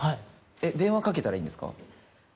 「電話かけたらいいんですか？」